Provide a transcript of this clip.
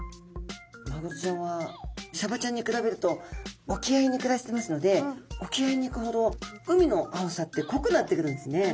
マグロちゃんはサバちゃんに比べると沖合に暮らしてますので沖合に行くほど海の青さってこくなってくるんですね。